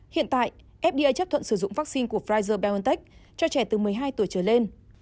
hiện tại fda chấp thuận sử dụng vaccine của pfizer biontech cho trẻ từ một mươi hai tuổi trở lên